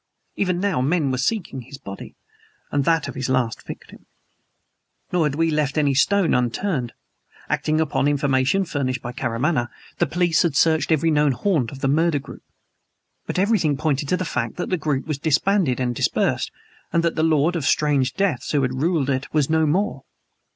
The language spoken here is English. Even now men were seeking his body, and that of his last victim. Nor had we left any stone unturned. Acting upon information furnished by Karamaneh, the police had searched every known haunt of the murder group. But everything pointed to the fact that the group was disbanded and dispersed; that the lord of strange deaths who had ruled it was no more.